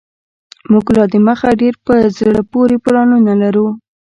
موږ لا دمخه ډیر په زړه پوري پلانونه لرو